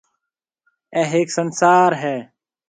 اَي هيَڪ سنسار هيَ۔